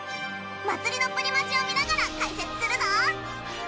まつりのプリマジを見ながら解説するぞ。